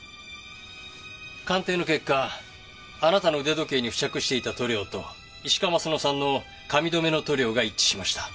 鑑定の結果あなたの腕時計に付着していた塗料と石川鱒乃さんの髪留めの塗料が一致しました。